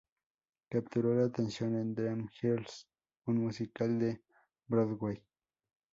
Capturó la atención en "Dreamgirls", un musical de Broadway.